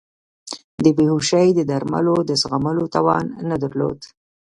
د بیهوشۍ د درملو د زغملو توان نه درلود.